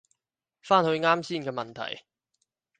返去啱先嘅問題